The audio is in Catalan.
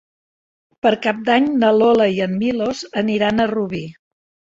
Per Cap d'Any na Lola i en Milos aniran a Rubí.